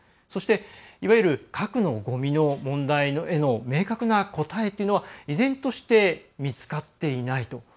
そしていわゆる核のごみの問題への明確な答えというのは依然として見つかっていないと。